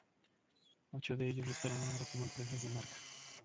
Ocho de ellos operan ahora como empresas de marca.